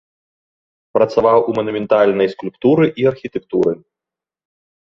Працаваў у манументальнай скульптуры і архітэктуры.